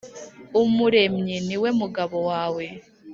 Umuremyi ni we mugabo wawe